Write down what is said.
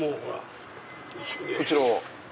こちらは？